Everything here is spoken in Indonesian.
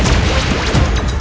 aku tidak mau